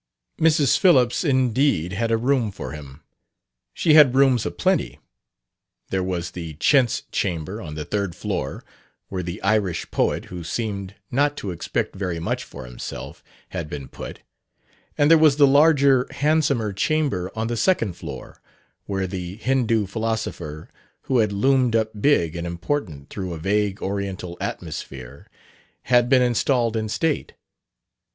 Mrs. Phillips indeed "had a room for him." She had rooms a plenty. There was the chintz chamber on the third floor, where the Irish poet (who seemed not to expect very much for himself) had been put; and there was the larger, handsomer chamber on the second floor, where the Hindoo philosopher (who had loomed up big and important through a vague Oriental atmosphere) had been installed in state.